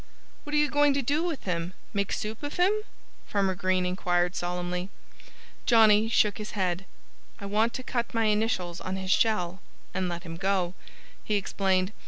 "What are you going to do with him make soup of him?" Farmer Green inquired solemnly. Johnnie shook his head. "I want to cut my initials on his shell and let him go," he explained.